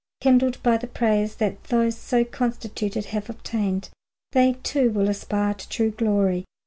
Kindled by the praise that those so constituted have obtained, they too will aspire to true glory.